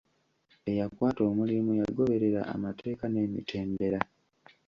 Eyakwata omulimu yagoberera amateeka n'emitendera.